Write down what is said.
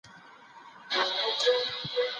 واکدار باید د خپلو خلګو خدمتګار وي.